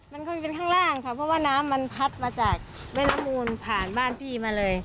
มันคงเป็นข้างล่างค่ะเพราะว่าน้ำมันพัดมาจากแม่น้ำมูลผ่านบ้านพี่มาเลย